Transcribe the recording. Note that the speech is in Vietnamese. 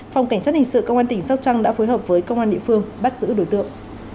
phòng cảnh sát hình sự công an tỉnh sóc trăng đã phối hợp với công an địa phương bắt giữ đối tượng